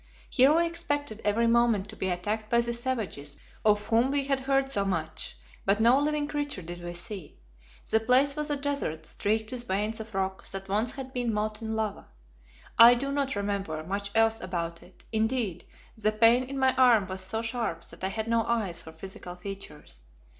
Here we expected every moment to be attacked by the savages of whom we had heard so much, but no living creature did we see. The place was a desert streaked with veins of rock that once had been molten lava. I do not remember much else about it; indeed, the pain in my arm was so sharp that I had no eyes for physical features.